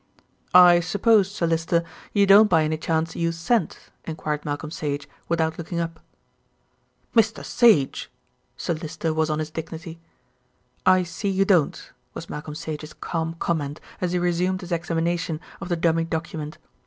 "I suppose, Sir Lyster, you don't by any chance use scent?" enquired Malcolm Sage without looking up. "Mr. Sage!" Sir Lyster was on his dignity. "I see you don't," was Malcolm Sage's calm comment as he resumed his examination of the dummy document.